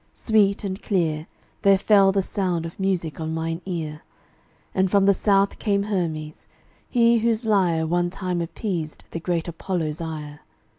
Sweet and clear There fell the sound of music on mine ear. And from the South came Hermes, he whose lyre One time appeased the great Apollo's ire.